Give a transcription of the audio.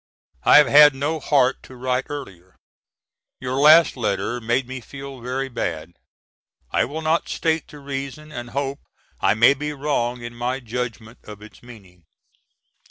I have had no heart to write earlier. Your last letter made me feel very bad. I will not state the reason and hope I may be wrong in my judgment of its meaning.